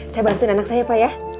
saya bantuin anak saya pak ya